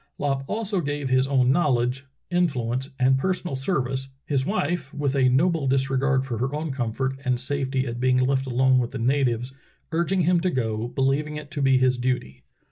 Lopp also gave his own knowledge, influence, and personal service, his wife, with a noble disregard for her own comfort and safety at being left alone with the natives, "urging him to go, believing it to be his duty."